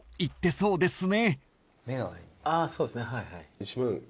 そうですね。